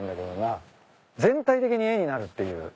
全体的に絵になるっていう。